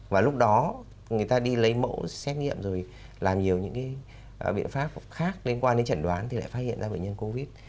và lúc đó người ta đi lấy mẫu xét nghiệm rồi làm nhiều những cái biện pháp khác liên quan đến chẩn đoán thì lại phát hiện ra bệnh nhân covid